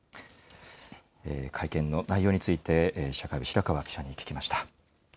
会見の内容について、社会部、白川記者に聞きました。